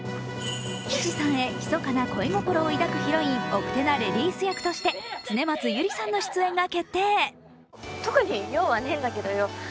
岸さんへひそかな恋心を抱くヒロイン、奥手なレディース役として恒松祐里さんの出演が決定。